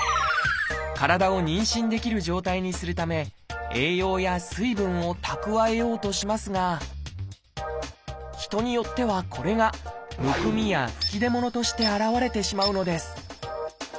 体を妊娠できる状態にするため栄養や水分を蓄えようとしますが人によってはこれがむくみや吹き出物として現れてしまうのです。